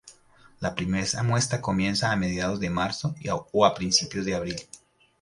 La primera puesta comienza a mediados de marzo o principio de abril.